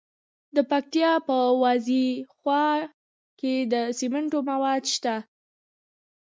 د پکتیکا په وازیخوا کې د سمنټو مواد شته.